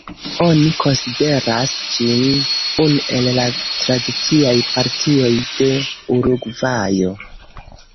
Oni konsideras ĝin unu el la tradiciaj partioj de Urugvajo.